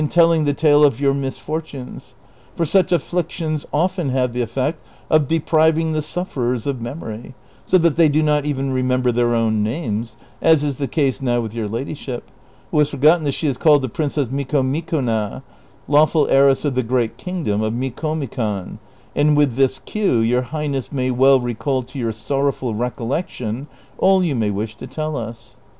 249 telling the tale of your misfortunes ; for such afflictions often have the effect of depriving the sufferers of memory, so that they do not even remember their own names, as is the case now with your ladyship, who has forgotten that she is called the Princess Micomicona, lawful heiress of the great kingdom of Micomicon ; and Avith this cue your highness may now recall to your sorrowful recollection all you may wish to tell us."